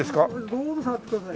どうぞ触ってください。